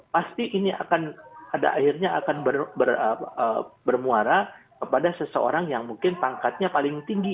pasti ini akan pada akhirnya akan bermuara kepada seseorang yang mungkin pangkatnya paling tinggi